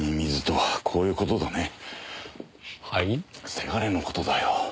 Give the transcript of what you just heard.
せがれの事だよ。